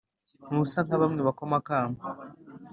Ntusa nka bamwe bakoma akamu